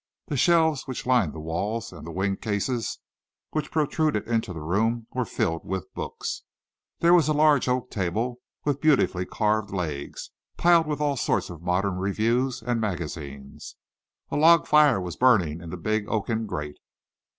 The shelves which lined the walls and the winged cases which protruded into the room were filled with books. There was a large oak table with beautifully carved legs, piled with all sorts of modern reviews and magazines. A log fire was burning in the big oaken grate.